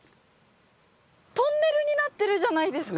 トンネルになってるじゃないですか！